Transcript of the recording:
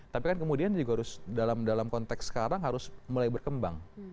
tapi kan kemudian dalam konteks sekarang harus mulai berkembang